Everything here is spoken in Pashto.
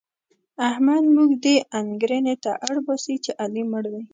احمد موږ دې انګېرنې ته اړباسي چې علي مړ دی.